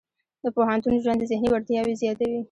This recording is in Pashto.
د پوهنتون ژوند د ذهني وړتیاوې زیاتوي.